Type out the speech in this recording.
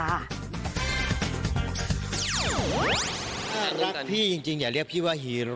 ถ้ารักพี่จริงอย่าเรียกพี่ว่าฮีโร่